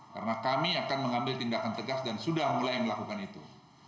karena kami akan mengambil tindakan tegas dan sudah mulai melakukan itu